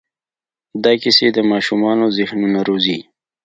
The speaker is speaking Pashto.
دا کیسې د ماشومانو ذهنونه روزي.